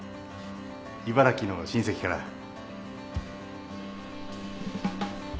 茨城の親戚から。